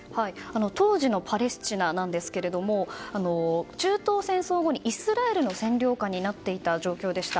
当時のパレスチナなんですが中東戦争後に、イスラエルの占領下になっていた状況でした。